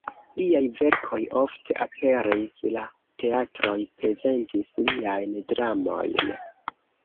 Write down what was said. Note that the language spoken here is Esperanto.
Liaj verkoj ofte aperis, la teatroj prezentis liajn dramojn.